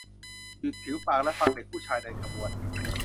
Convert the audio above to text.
หยุดผิวปากและฟังเด็กผู้ชายเดินขบวน